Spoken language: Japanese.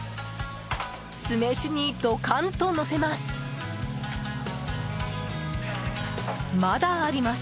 酢飯にドカンとのせます。